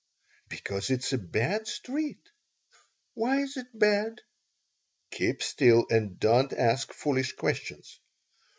"Because it is a bad street." "Why is it bad?" "Keep still and don't ask foolish questions."